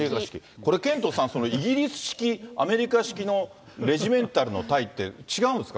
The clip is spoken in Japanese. これ、ケントさん、イギリス式、アメリカ式のレジメンタルのタイって、違うんですか？